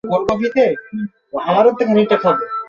কোনোভাবে আমার মেয়েকে বাঁচান স্যার।